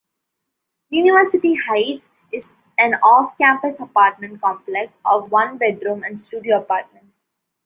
"University Heights" is an off-campus apartment complex of one-bedroom and studio apartments.